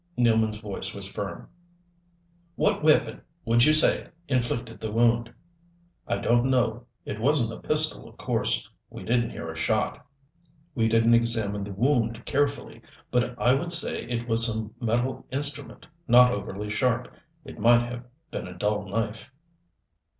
Nealman's voice was firm. "What weapon, would you say, inflicted the wound?" "I don't know. It wasn't a pistol, of course. We didn't hear a shot. We didn't examine the wound carefully, but I would say it was some metal instrument, not overly sharp. It might have been a dull knife."